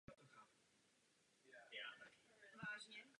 Byl také novinářem.